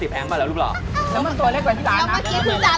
แล้วเมื่อกี้คือจาน๑๓๐